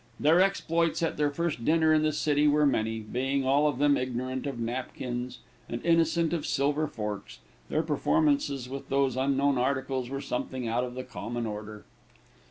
Their exploits at their first dinner in the city were many being all of them ignorant of napkins, and innocent of silver forks, their performances with those unknown articles were something out of the common order.